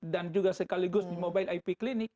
dan juga sekaligus di mobile ip clinic